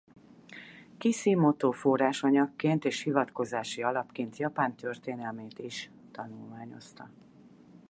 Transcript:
Kisimoto forrásanyagként és hivatkozási alapként Japán történelmét is tanulmányozta.